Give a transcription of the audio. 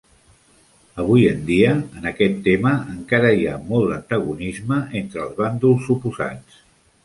Avui en dia, en aquest tema, encara hi ha molt d'antagonisme entre els bàndols oposats.